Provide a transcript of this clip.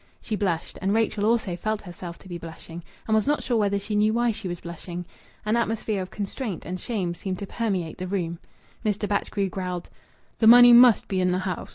She blushed. And Rachel also felt herself to be blushing, and was not sure whether she knew why she was blushing. An atmosphere of constraint and shame seemed to permeate the room. Mr. Batchgrew growled "The money must be in the house.